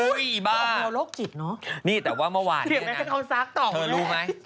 อุ๊ยบ้านี่แต่ว่าเมื่อวานเนี่ยนะเธอรู้ไหม